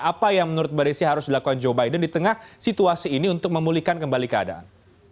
apa yang menurut mbak desi harus dilakukan joe biden di tengah situasi ini untuk memulihkan kembali keadaan